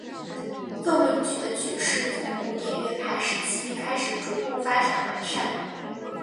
奏鸣曲的曲式从古典乐派时期开始逐步发展完善。